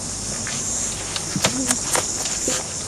Kusemea mtu bya bongo abisaidii kitu